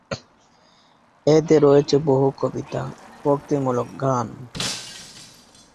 এতে রয়েছে বহু কবিতা, ভক্তিমূলক গান।